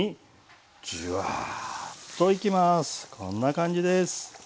こんな感じです。